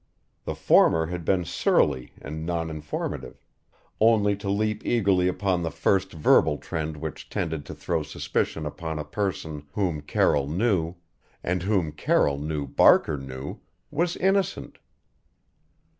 The former had been surly and non informative, only to leap eagerly upon the first verbal trend which tended to throw suspicion upon a person whom Carroll knew and whom Carroll knew Barker knew was innocent.